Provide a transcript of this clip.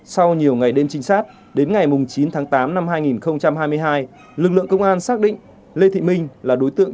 sau nhiều ngày đêm trinh sát đến ngày chín tháng tám năm hai nghìn hai mươi hai lực lượng công an xác định lê thị minh là đối tượng